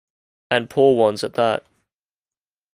And poor ones at that.